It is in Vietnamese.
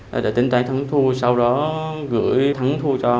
để tính toán thắng thu sau đó gửi thắng thu cho quang